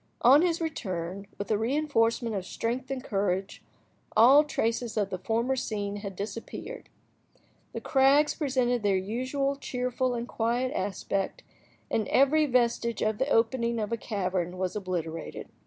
On his return, with a reinforcement of strength and courage, all traces of the former scene had disappeared. The crags presented their usual cheerful and quiet aspect, and every vestige of the opening of a cavern was obliterated.